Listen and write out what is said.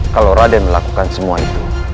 kalau raden melakukan semua itu